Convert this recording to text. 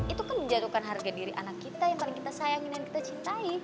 itu kan menjatuhkan harga diri anak kita yang paling kita sayangin dan kita cintai